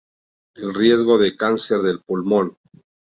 El riesgo de cáncer del pulmón.